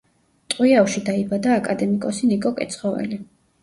ტყვიავში დაიბადა აკადემიკოსი ნიკო კეცხოველი.